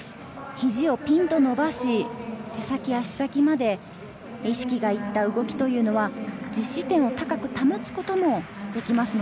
肘をピンと伸ばし、手先、足先まで意識がいった動きというのは実施点を高く保つこともできます。